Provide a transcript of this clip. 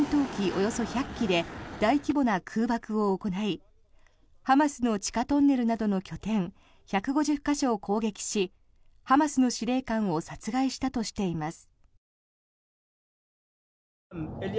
およそ１００機で大規模な空爆を行いハマスの地下トンネルなどの拠点１５０か所を攻撃しハマスの司令官を殺害したとしています。